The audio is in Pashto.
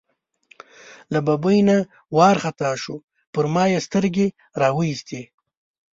له ببۍ نه وار خطا شو، پر ما یې سترګې را وایستې.